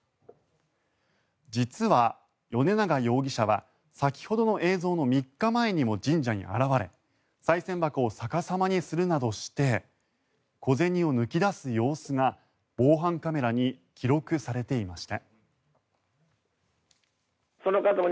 実は、米永容疑者は先ほどの映像の３日前にも神社に現れさい銭箱を逆さまにするなどして小銭を抜き出す様子が防犯カメラに記録されていました。